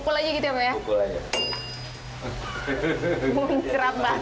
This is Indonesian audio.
boleh dicoba kalau mau coba